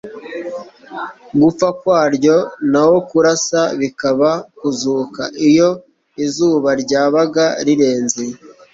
gupfa kwaryo na ho kurasa bikaba kuzuka. iyo izuba ryabaga rirenze